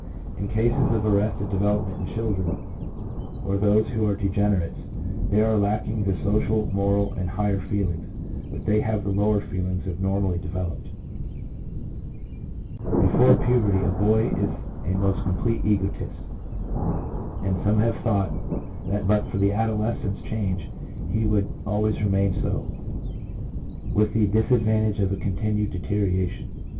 In cases of arrested development in children, or those who are degenerates, there are lacking the social, moral, and all higher feelings ; but they have the lower feelings abnormally developed. 1 Before 1 II. Maudsley, Physiology of Mind ', p. 372. EMOTIONS. 155 puberty a boy is a most complete egotist, and some have thought that but for the adolescence change he would always remain so, with the disadvantage of a continued deterioration.